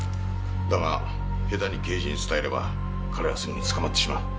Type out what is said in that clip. だが下手に刑事に伝えれば彼はすぐに捕まってしまう。